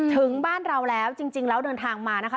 ถึงบ้านเราแล้วจริงแล้วเดินทางมานะคะ